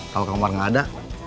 kalau kang komar gak ada